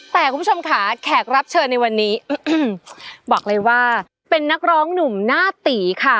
แต่คุณผู้ชมค่ะแขกรับเชิญในวันนี้บอกเลยว่าเป็นนักร้องหนุ่มหน้าตีค่ะ